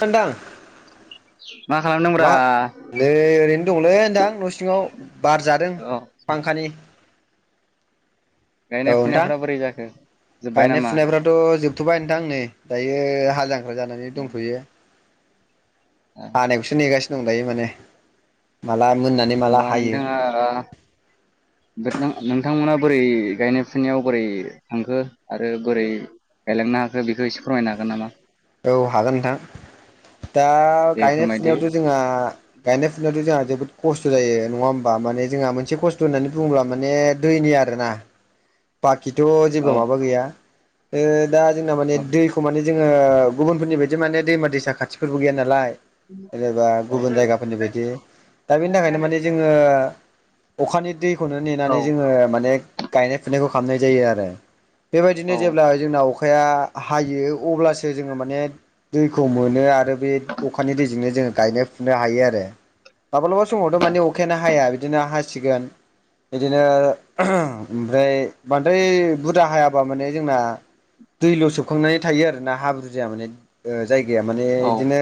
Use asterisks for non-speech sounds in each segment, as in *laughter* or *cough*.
नोंथां *inaudible* मा खालामदोंब्रा? मा नै ओरैनो दंलै नोंथां न' सिङाव बार जादों औ फांखानि औ गायनाय नोंथां फुनायफ्रा बोरै जाखो जोब्बाय नामा? औ जोबथ'बाय नोंथां नै दायो हा जांख्रा जानानै दंथ'यो। हानायखौसो नेगासिनो दं दायो माने माला मोननानै होमबा माला हायो नोंथाङा नोंथांमोना बोरै गायनाय फुनायाव बोरै थांखो आरो बोरै गायलांनो हाखो बेखौ एसे फोरमायनो हागोन नामा? औ हागोन नोंथां दा दे गायनाय फोरमायदो फुनायावथ' जोंहा गायनाय फुनायथ' जोंहा जोबोद खस्थ' जायो नङा होमबा माने जोंहा मोनसे खस्थ' होननानै बुङोब्ला माने दैनि आरोना बाखिथ' औ जेबो माबा गैया ओ दा जोंना माने औ दै खौ माने जोङो गुबुनफोरनि बायदि माने दैमा दैसा खाथिफोरबो गैया नालाय जेनेबा गुबुन जायगाफोरनि बायदि दा बेनि थाखायनो माने जोङो अखानि दैखौनो औ नेनानै जोङो माने गायनाय फुनायखौ खालामनाय जायो आरो। औ बेबायदिनो जेब्ला जोंना अखाया हायो अब्लासो जोङो माने दैखौ मोनो आरो बे अखानि दैजोंनो जोङो गायनाय फुनो हायो आरो माब्लाबा समावथ' माने अखायानो हाया बिदिनो हासिगोन बिदिनो ओमफ्राय बानद्राय बुरदा हायाबा माने जोंना दैल' सोबखांनानै थायो आरोना हाब्रुजाया माने जायगाया माने औ बिदिनो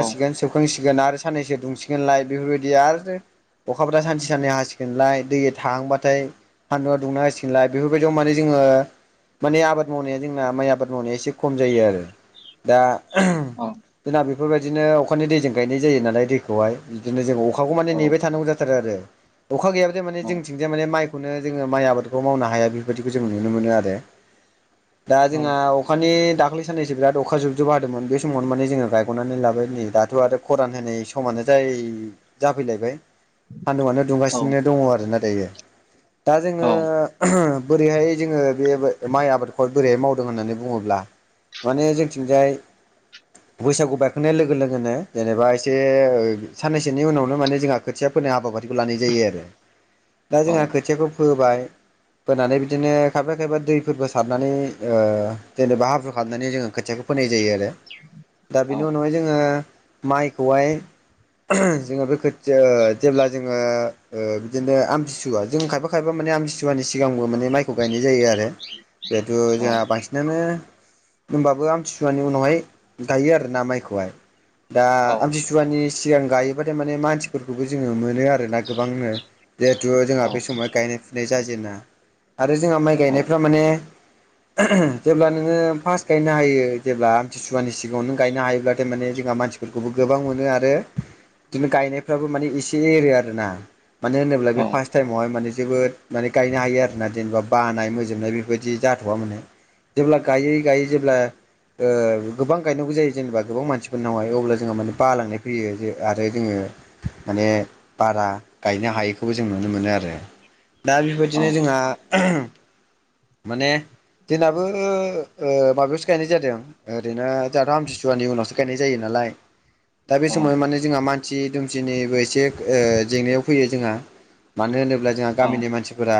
औ सोबखांसिगोन आरो साननैसो दुंसिगोनलाय बेफोरबायदि आरो अखाफ्रा सानसे साननै हासिगोनलाय दै थांबब्लाथाय हान्दुआ दुंना होसिनोलाय बेफोरबायदियाव माने जोङो माने आबाद मावनाया जोंना माइ आबाद मावनाया एसे खम जायो आरो। दा औ जोंना बेफोरबायदिनो अखानि दैजों गायनाय जायो नालाय दैखौहाय बिदिनो जों अखाखौ माने औ नेबाय थानांगौ जाथारो आरो अखा गैयाब्लाथाय माने जोंथिंजाय माने माइखौनो जोङो माइ आबादखौ मावनो हाया बेबायाददिखौ जों नुनो मोनो आरो दा औ जोंहा अखानि दाख्लै साननैसो बिराद अखा जोबजोबबो हादोंमोन बे समावनो माने जोङो गायग'नानै लाबाय नै दाथ' आरो खरान होनाय समानो जाय जाफैलायबाय सान्दुआनो औ दुंगासिनो दङ आरोना दायो दा जोङो बोरैहाय जोङो बे माइ आबादखौ बोरैहाय मावदों होननानै बुङोब्ला माने जोंथिंजाय *inaudible* बैसागु बायखांनाय लोगो लोगोनो जेनेबा एसे साननैसोनि उनावनो माने जोंहा खोथिया फोनाय हाबाफारि लानाय जायो आरो दा औ जोंहा औ खोथियाखौ फोबाय फोनानै बिदिनो खायफा खायफा दैफोरबो सारनानै जेनेबा हाब्रु खालामनानै जोङो खोथियाखौ फोनाय जायो आरो दा औ बेनि उनावहाय जोङो माइखौहाय जोङो बे खोथिया जेब्ला जोङो बिदिनो आमथिसुवा जों खायफा खाय फायबा माने आमथिसुवानि सिगांबो माने माइखौ गायनाय जायो आरो जिहेथु जोंहा बांसिन नोङो होनबाबो आमथिसुवानि उनावहाय गायो आरो ना माइखौहाय दा आमथिसुवानि सिगां गायोबाथाय माने मानसिफोरखौबो जोङो मोनो आरोना गोबांनो जिहेथु जोंहा बे समाव गायनाय फुनाय जाजेा आरो जोंहा माइ औ गायनायफ्रा माने जेब्ला नोङो फार्स्ट गायनो हायो जेब्ला आमथिसुवानि सिगाङाव नों गायनो हायोब्ला थारमाने जोंहा मानसिखौ फोरखौबो गोबां मोनो आरो बिदिनो गायनायफ्राबो माने एसे एरो आरोना मान होनोब्ला बे फार्ट टाइमावहाय जोबोद माने गायनो हायो आरोना जेनेबा बानाय मोजोबनाय बेफोरबायदि जाथ'वा माने जेब्ला गायै गायै जेब्ला गोबां गायनांगौ जायो जेनेबा गोबां मानसिफोरनावहाय अब्ला जोंहा माने बालांनाय फैयो आरो जोङो माने बारा गायनो हायैखौबो जों नुनो मोनो आरो। दा बेबायदिनो औ जोंहा माने दिनहाबो माबायावसो गायनाय जादों ओरैनो दाथ' आमथिसुवानि उनावसो गायनाय जायो नालाय। दा बे समाव माने जोंहा मानसि दुमसिनिबो एसे जेंनायाव फैयो जोंहा मानो होनोब्ला जोंहा गामिनि मानसिफोरा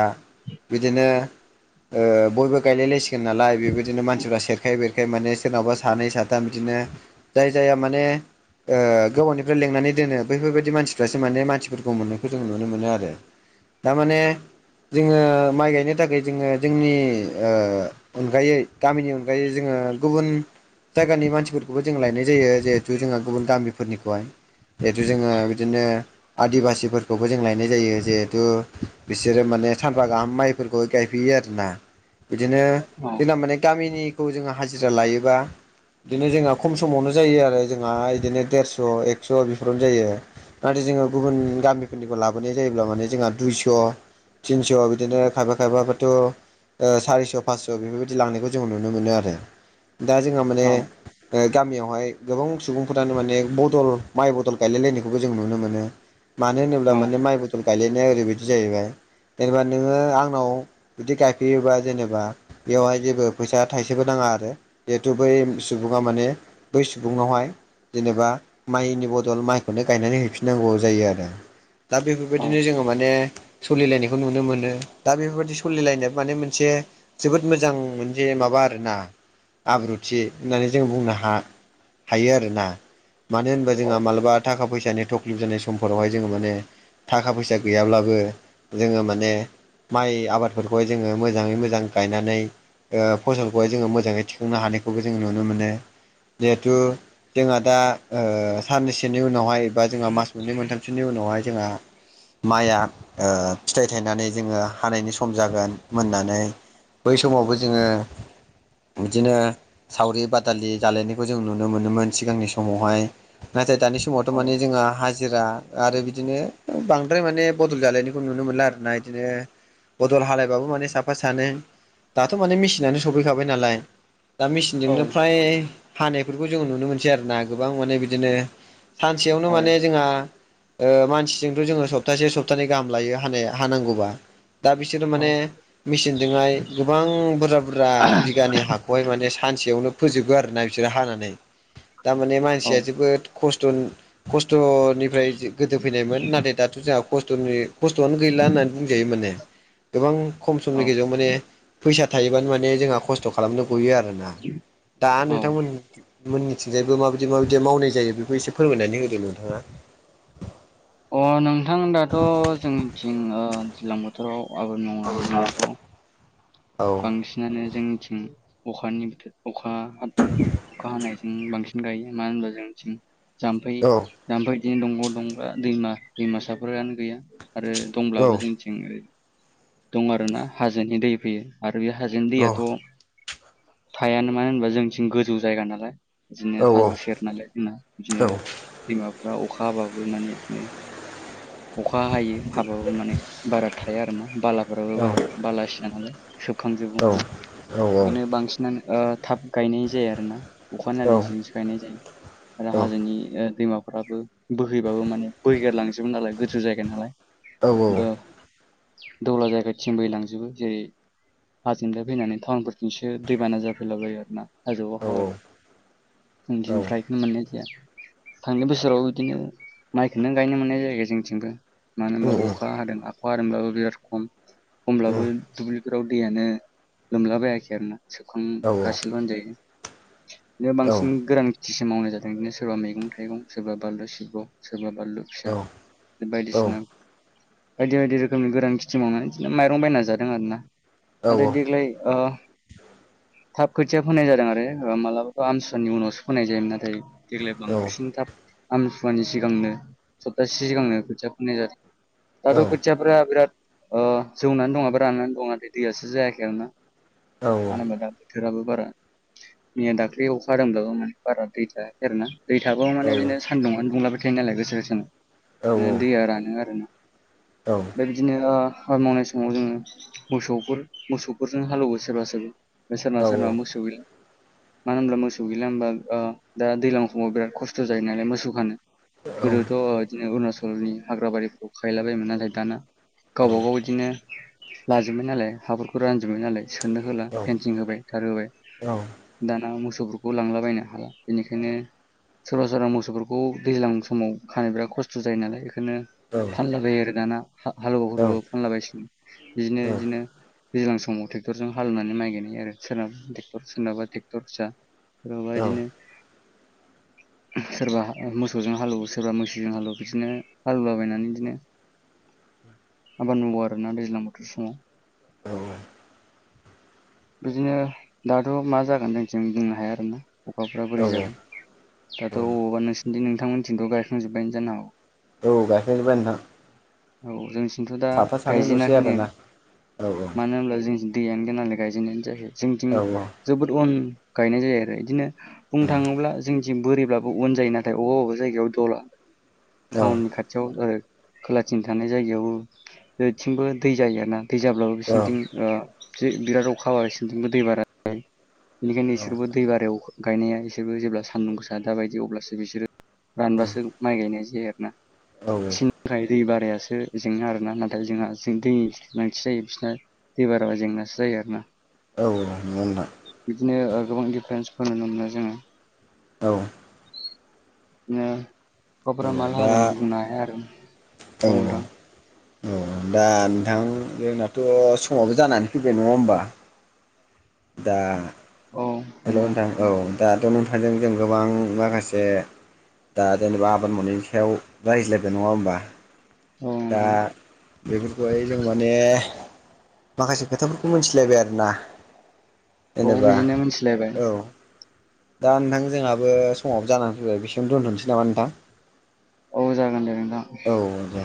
बिदिनो बयबो गायलाय लायसिगोन नालाय बेबायदिनो मानसिफ्रा सेरखाय बेरखाय माने सोरनावबा सानै साथाम बिदिनो जाय जाया माने ओ गोबावनिफ्राय लेंनानै दोनो बैफोरबायाददि मानसिफ्रासो माने मानसिफोरखौ मोननायखौ जों नुनो मोनो आरो। थारमाने जोङो माइ गायनो थाखाय जोङो जोंनि अनगायै गामिनि अनगायै जोङो गुबुन जायगानि मानसिफोर बेखौबो जों लायनाय जायो जिहेथु जोंहा गुबुन दामिफोरनिखौहाय जिहेतु जोङो बिदिनो आदिबासिफोरखौबो जों लायनाय जायो जिहेथु बिसोरो माने सानफा गाहाम माइफोरखौ गायफैयो आरो आरोना बिदिनो जोंना माने गामिनिखौ जोङो हाजिरा लायोबा बिदिनो जोंहा खम समावनो जायो आरो जोंहा बिदिनो देरस' एकस' बेफोरावनो जायो। नाथाय जोङो गुबुन गामिफोरनिखौ लाबोनाय जायोब्ला माने जोंहा दुइस' थिनस'आव बिदिनो खायफा खायबाबाथ' सारिस' फासस' बेफोरबायदि लांनायखौ जों नुनो मोनो आरो दा जोंहा माने गामियावहाय गोबां सुबुंफोरानो माने बदल माइ बदल गायलाय लायनायखौबो जों नुनो मोनो। मानो होनोब्ला माने माइबो फल गायलायनाया ओरैबायदि जाहैबाय जेनेबा नोङो आंनाव बिदि गायफैयोबा जेनेबा बेवहाय जेबो फैसा थाइसेबो नाङा आरो जिहेतु बै सुबुङा माने बै सुबुंनावहाय जेनेबा माइनि बदल माइखौनो गायनानै हैफिननांगौ जायो आरो। दा औ बेफोरबायदिनो जोङो माने सोलिलायनायखौ नुनो मोनो दा बेफोरबायाददि सोलिलायनाय माने मोनसे जोबोद मोजां मोनसे माबा आरोना। आब्रुथि होननानै जों बुंनो ह हायो आरोना। मानो होनबा जोंहा मालाबा थाखा फैसानि थक्लिफ जानाय समफोरावहाय जोङो माने थाखा फैसा गैयाब्लाबो जोङो माने माइ आबाद बेवहाय जोङो मोजाङै मोजां गायनानै फसलखौहाय जोङो मोजाङै थिखांनो हानायखौबो जों नुनो मोनो जिहेथु जोंहा दा साननैसोनि उनावहाय एबा जोंहा मास मोननै मोनथामसोनि उनावहाय जोंहा माइआ फिथाइ थायनानै जोङो हानायनि सम जागोन मोननानै बै समावबो जोङो बिदिनो सावरि बादालि जालायनायखौ जों नुनो मोनोमोन सिगांनि समावहाय। नाथाय दानि समाव औ समावथ' औ माने हाज हाजिरा आरो बिदिनो बांद्राय माने बदल जालायनायखौ नुनो मोनला आर ना बिदिनो बदल हालायबाबो माने साफा सानै दाथ' माने मेसिनानो सफैखाबाय नालाय दा औ मेचिनजोंनो फ्राय हानायफोरखौ जोङो नुनो मोनसै आरो ना। गोबां माने बिदिनो सानसेयावनो माने जोंहा ओ मानसिजोंथ' जोङो सप्तासे सप्तानैै गाहाम लायो हानाय हानांगौबा। दा बिसोरो औ माने मेचिनजोंहाय गोबां बुरजा बुरजा बिगानि हा खौहाय माने सानसेयावनो फोजोबो आरोना बिसोरो हानानै। थारमाने औ मानसिया जोबोद खस्थ' खस्थ'निफ्राय गोदो फैनायमोन नाथाय दाथ' जोंहा खस्थ'नि खस्थ'आनो गैला होननानै बुंजायो माने। गोबां खम समनि औ गेजेराव माने फैसा थायोबानो माने जोंहा खस्थ' खस्थ' खालामनो गयो आरोना दा नोंथांमोन मोन मिथिंजायबो माबायदि माबायदि मावनाय जायो बेखौ एसे फोरमायनानै होदों नोंथाङा। अ नोंथां दाथ' जोंनिथिं दैज्लां बोथोराव आबाद मावनायबाथ' औ बांसिनानो जोंनिथिं अखानि बोथोर अखा अखा हानाय बांसिन गायो मानो होनबा जों जाम्फै औ ओमफ्राय बिदिनो दंग' दं दैमा दैमासाफोरानो गैया आरो औ दंब्लाबो जों ज दं आरोना हाजोनि दै फैयो आरो बे हाजोनि औ दैयाथ' थायानो मानो होनबा जोंथिं गोजौ जायगा नालाय। बिदिनो औ हाजो सेर नालाय जोंना औ बिदिनो दैमाफ्रा अखा हाबाबो माने बिदिनो अखा हायो हाबाबो माने बारा थाया आरोना बालाफोराबो बारा बालासिया नालाय। सोबखांजोबो औ होननानै औ बिदिनो बांसिनानो थाब गायनाय जायो आरो ना अखा नदैजोंजोंसो गायनाय जायो आरो हाजोनि दैमाफ्राबो बोहैबाबो माने बोैगेरलांजोबो नालाय गोजौ जायगा नालाय दौला जायगा थिं बैलांजोबो जेरै हाजोंलाय फैनानै टाउनफोरथिंसो दैबाना जाफैलाबायो आर ना हाजौआव औ हाव औ उनथिनिफ्रायखौनो मोननाय जाया। थांनाय बोसोराव बिदिनो माइखौनो गायनो मोननाय जायो जोंथिंबो मानो होनबा उम उम अखा हादों आखाइ हादोंब्लाबो बिराद खम खमब्लाबो उम दलि जाव दैयानो लोमलाबायाखै आरो ना सोबखां औ गासिल' होनजायो बिदिनो औ बांसिन गोरान थिसो मावनाय जादों बिदिनो सोरबा मैगं थाइगं सोरबा बानलु सिब्र' सोरबा बानलु फिसा औ औ बायदिसिना बायदि बायदि रोखोमनि गोरान खिथि मावो बिदिनो माइरं बायना जादों आरो ना। औ आरो देग्लाय ओ थाब खोथिया फोनाय जादों आरो माबा' आमसुवानि उनावसो फोनाय जायोमोन नाथाय देग्लाय बांसिन औ थाब आमसुवानि सिगांनो सप्तासे सिगांनो खोथिया फुनाय जादों। दाथ' खोथियाफ्रा बिराद ओ जौनानै दङ बा राननानै दं। दैयासो जायखै आरो मानो औ होनबा दा बोथोराबो बारा मैया दाख्लै अखा दोंब्लाबो माने बारा दै थायाखै आरोना। दै थाबाबो माने बिदिनो सानदुङानो दुंलाबाय थायो नालाय गोसो गोसानो बिदिनो दैया रानो आरो ना। औ। बिदिनो हा मावनाय समाव जोङो मोसौफोर मोसौफोरजों हालौवो सोरबा सोरबा। बे सोरनाबा सोरनाबा मोसौ गैल मानो होमब्ला मोसौ गैला होमबा ओ दा दैज्लां समाव बिराद खस्थ' जायो नालाय मोसौ खानो गोदोथ' इदिनो अरुणाचलनि हाग्राबारिफ्राव खाहैलाबायोमोन नालाय दाना गावबा गाव इदिनो लाजोबबाय नालाय हाफोरखौ रानजोब्बाय नालाय सोनो होला फेनसिं होबाय थार होबाय। दाना मोसौफोरखौ लांलाबायनो हाला बेनिखायनो सोरबा सोरबा मोसौफोरखौ दैज्लां समाव खानो बिराद खस्थ' जायो नालाय बेखायनो फानला बायो आरो दाना हालुवा औ हाबबो फानलाबायसिगोन बिदिनो औ बिदिनो दैज्लां समाव ट्रेक्टरजों हालेवनानै माइ गायनाय आरो सोरनाबा ट्रेक्टर सोरनाबा ट्रेक्टर फिसा सोरनाबा इदिनो सोरबा मोसौजों हालेवो सोरबा मैसोजों हालेवो बिदिनो हालेवलाबायनानै बिदिनो आबाद मावो आरोना दैज्लां बोथोर समाव औ औ बिदिनो दाथ' मा जागोन जोंथिं बुंनो हाया आरोना अखाफ्रा बोरै औ जागोन दाथ' अबावबा नोंसोरनि नोंथांमोननिथिंथ' गायखांजोबबायानो जानो हागौ औ गायखांजोबबाय नोंथां औ जोंनिथिंथ' दा साफा सानैल'सै गायजेनाखैनो आरोना औ मानो होनब्ला जोंनिथिं दैयानो गैया नालाय गायजेननाय जायाखै जोंनिथिं औ जोबोद उन गायनाय जायो आरो इदिनो बुंनो थाङोब्ला जोंनि थिं बोरिब्लाबो उन जायो नाथाय अबेबा अबेबा जायगायाव दलहा औ टाउननि खाथि खाथियाव आरो खोलाथिं थानाय जायगायाव जेथिंबो दै जायो आरोना दै जाब्लाबो औ बिसोरनिथिं ओ बिराद अखा हायोबा बिसोरनिथिंबो दै बारा जायो बेनिखायनो इसोरबो दै बारायाव गायनाया बिसोरबो जेब्ला सान्दुं गोसा दाबायदि अब्लासो बिसोरो रानबासो माइ गायनाय जायो आरोना बिसोरनि थाखाय दै बारायासो जेंना आरो ना नाथाय जोंहा जों दैनि गोनांथि जायो बिसोरना दै बाराबा जेंनासो जायो आरोना औ औ नंगौ नोंथां बिदिनो गोबां दिफारेन्सफोर नुनो मोनो जोङो औ बिदिनो अखाफोरा माला दा हागोन बुंनो हाया आरो औ दा नोंथां जोंनाथ' समाबो जानानै फैबाय नङा होमबा दा औ हेलौ नोंथां औ दाथ' नोंथांजों जों गोबां माखासे दा जेनेबा आबाद मावनायनि सायाव रायज्लायबाय नङा होमबा औ दा नोंथां बेफोरखौहाय जों माने माखासे खोथाफोरखौ मोमथिलायबाय आरोना औ जेनेबा बिदिनो मोनथिलायबाय औ दा नोंथां जोंहाबो समाबो जानानै फैबाय बेसिमावनो दोन्थ'नोसै नामा नोंथां औ जागोन दे नोंथां औ दे